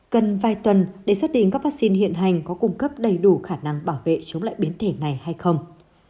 cần vài tuần để xác định các vaccine hiện hành có cung cấp đầy đủ khả năng bảo vệ chống lại biến thể này hay không